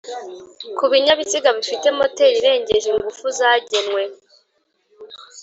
ku binyabiziga bifite moteri itarengeje ingufu zagenwe